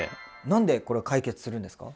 何でこれ解決するんですか？